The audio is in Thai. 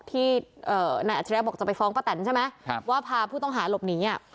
ที่นายอัจฉริยะบอกจะไปฟ้องป้าแตนใช่ไหมว่าพาผู้ต้องหาหลบหนี